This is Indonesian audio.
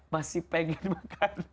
masih pengen makan